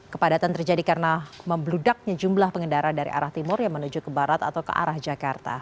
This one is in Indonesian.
kepadatan terjadi karena membeludaknya jumlah pengendara dari arah timur yang menuju ke barat atau ke arah jakarta